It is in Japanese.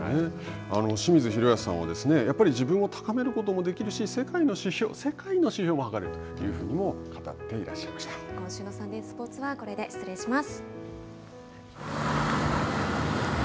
清水宏保さんはやっぱり自分を高めることもできるし世界の指標も世界の指標もはかれるというふうにも今週のサンデースポーツはこれで失礼します。